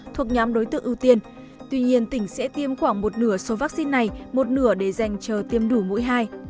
thuộc nhóm đối tượng ưu tiên tuy nhiên tỉnh sẽ tiêm khoảng một nửa số vaccine này một nửa để dành chờ tiêm đủ mũi hai